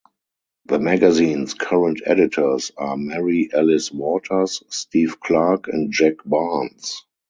The magazine's current editors are Mary-Alice Waters, Steve Clark and Jack Barnes.